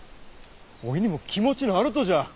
おいにも気持ちのあるとじゃ！